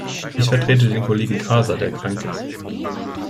Ich vertrete den Kollegen Casa, der krank ist.